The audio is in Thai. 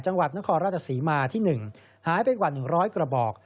จังหวัดนครราชศรีมาที่๑หายไปกว่า๑๐๐กระบอก